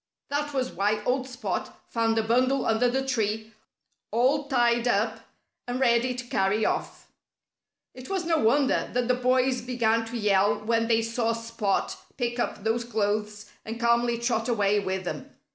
That was why old Spot found a bundle under the tree, all tied up and ready to carry off. It was no wonder that the boys began to yell when they saw Spot pick up those clothes and calmly trot away with them.